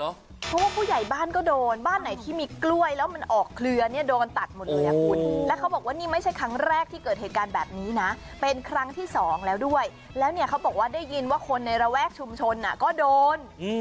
เพราะว่าผู้ใหญ่บ้านก็โดนบ้านไหนที่มีกล้วยแล้วมันออกเครือเนี่ยโดนตัดหมดเลยอ่ะคุณแล้วเขาบอกว่านี่ไม่ใช่ครั้งแรกที่เกิดเหตุการณ์แบบนี้นะเป็นครั้งที่สองแล้วด้วยแล้วเนี่ยเขาบอกว่าได้ยินว่าคนในระแวกชุมชนก็โดน